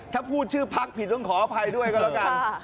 ถ้าพูดชื่อพักผิดต้องขออภัยด้วยก็แล้วกัน